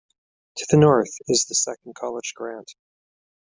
To the north is the Second College Grant.